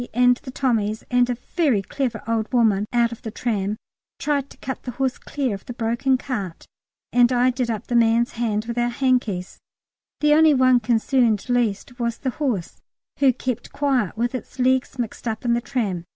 and the Tommies and a very clever old woman out of the tram tried to cut the horse clear of the broken cart, and I did up the man's hand with our hankies; the only one concerned least was the horse, who kept quiet with its legs mixed up in the tram.